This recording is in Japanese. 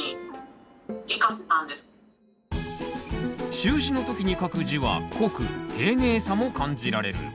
習字の時に書く字は濃く丁寧さも感じられる。